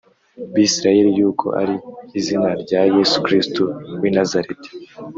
Bisirayeli yuko ari izina rya yesu kristo w i nazareti